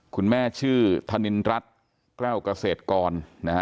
คุณแม่ชื่อธนินรัสแก้วกาเศษกร